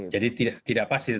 jadi tidak pasti